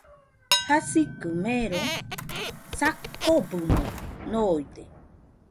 Jasikɨ mero , sakɨbɨmo noide.